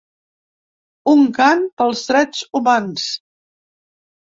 Un cant pels drets humans.